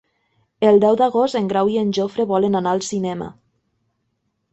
El deu d'agost en Grau i en Jofre volen anar al cinema.